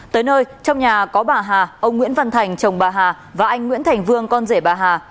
tới nơi trong nhà có bà hà ông nguyễn văn thành chồng bà hà và anh nguyễn thành vương con rể bà hà